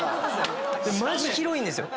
マジ広いんですよ。